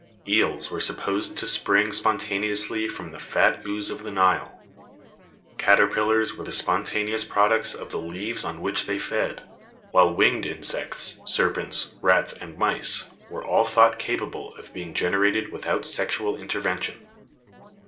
Eels were supposed to spring spontaneously from the fat ooze of the Nile. Caterpillars were the spontaneous products of the leaves on which they 46 BIOLOGY fed; while winged insects, serpents, rats and mice were all thought capable of being generated without sexual intervention.